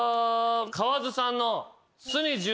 川津さんの。